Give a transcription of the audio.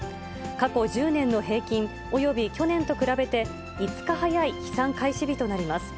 過去１０年の平均、および去年と比べて５日早い飛散開始日となります。